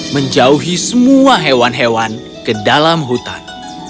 menjauhi semua hewan hewan ke dalam hutan